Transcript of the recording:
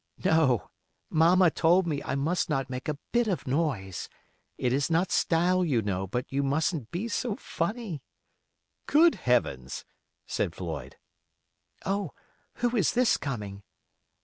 "No, mamma told me I must not make a bit of noise; it is not style, you know, but you mustn't be so funny." "Good heavens!" said Floyd. "Oh! who is this coming?"